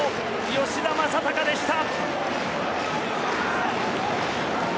吉田正尚でした！